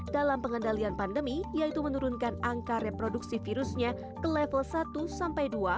dalam pengendalian pandemi yaitu menurunkan angka reproduksi virusnya ke level satu sampai dua